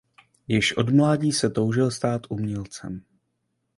Již od mládí se toužil stát umělcem.